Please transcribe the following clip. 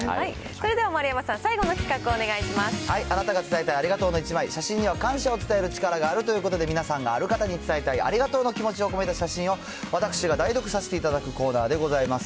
それでは、丸山さん、あなたが伝えたいありがとうの１枚、写真には感謝を伝える力があるということで、皆さんがある方に伝えたい、ありがとうの気持ちを込めた写真を、私が代読させていただくコーナーでございます。